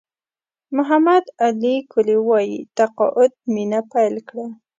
محمد علي کلي وایي تقاعد مینه پیل کړه.